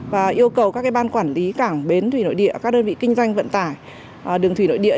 và yêu cầu các ban quản lý cảng bến thủy nội địa các đơn vị kinh doanh vận tải đường thủy nội địa